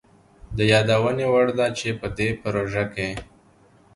د يادوني وړ ده چي په دې پروژه کي